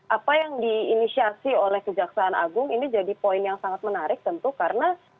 apa yang diinisiasi oleh kejaksaan agung ini jadi poin yang sangat menarik tentu karena